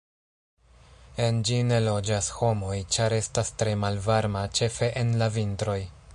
En ĝi ne loĝas homoj, ĉar estas tre malvarma, ĉefe en la vintroj.